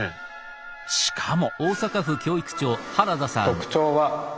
しかも。